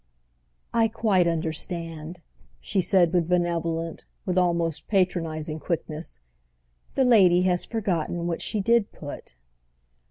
"I quite understand," she said with benevolent, with almost patronising quickness. "The lady has forgotten what she did put."